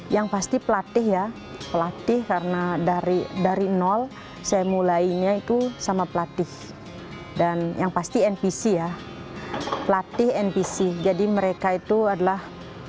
yang pasti pelatih ya pelatih karena dari dari nol saya mulainya itu sama pelatih dan yang pasti npc ya pelatih npc jadi mereka itu adalah